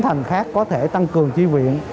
thành khác có thể tăng cường chi viện